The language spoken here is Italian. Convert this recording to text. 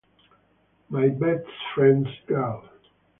My Best Friend's Girl